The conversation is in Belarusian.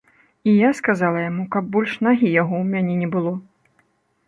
І я сказала яму, каб больш нагі яго ў мяне не было.